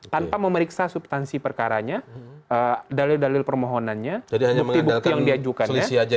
tanpa memeriksa subtansi perkaranya dalil dalil permohonannya bukti bukti yang diajukannya